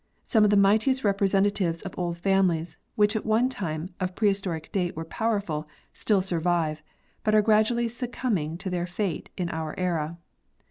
Some of the mightiest representatives of old families, which at one time of prehistoric date were powerful, still survive, but are gradually succumbing to their fate in our era.